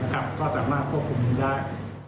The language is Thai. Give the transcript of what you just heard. ก็สามารถควบคุมได้